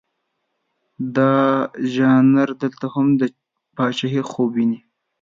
دا ژانر دلته هم د پاچهي خوب ویني.